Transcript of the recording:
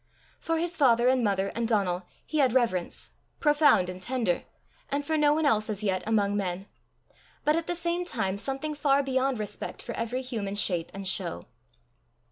For his father and mother and Donal he had reverence profound and tender, and for no one else as yet among men; but at the same time something far beyond respect for every human shape and show.